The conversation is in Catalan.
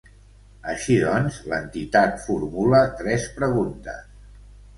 Així doncs, l’entitat formula tres preguntes.